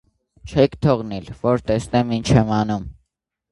Չե՞ք թողնիլ, որ տեսնեմ ինչ եմ անում: